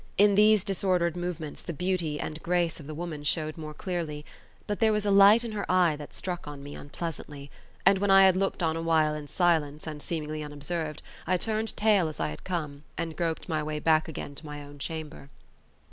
In these disordered movements the beauty and grace of the woman showed more clearly; but there was a light in her eye that struck on me unpleasantly; and when I had looked on awhile in silence, and seemingly unobserved, I turned tail as I had come, and groped my way back again to my own chamber.